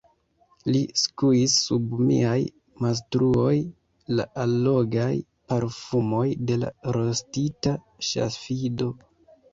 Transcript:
Li skuis sub miaj naztruoj la allogaj parfumoj de la rostita ŝafido.